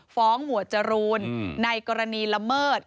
ฟ้องหัวจรูนในกรณีละเมิด